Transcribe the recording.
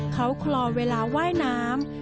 เขาคลอเวลาว่ายน้ำ